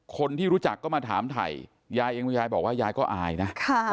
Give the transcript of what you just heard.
คนที่รู้จักก็มาถามถ่ายยายเองคุณยายบอกว่ายายก็อายนะ